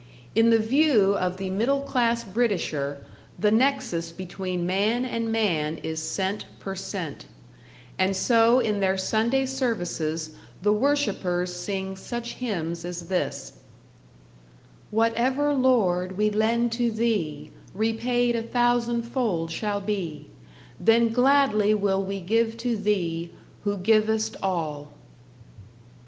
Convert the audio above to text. In the view of the middle class Britisher, the nexus between man and man is cent per cent; and so in their Sunday services the worshippers sing such hymns as this: Whatever, Lord, we lend to Thee, Repaid a thousand fold shall be; Then gladly will we give to Thee, Who givest all.